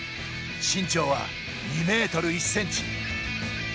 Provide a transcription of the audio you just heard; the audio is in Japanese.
身長は２ｍ１ｃｍ。